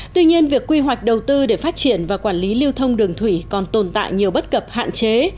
tuy nhiên việc quy hoạch đầu tư để phát triển và quản lý lưu thông đường thủy còn tồn tại nhiều bất cập hạn chế